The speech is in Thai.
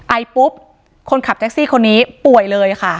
ไอปุ๊บคนขับแท็กซี่คนนี้ป่วยเลยค่ะ